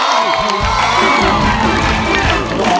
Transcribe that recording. ร้องได้ให้ร้อง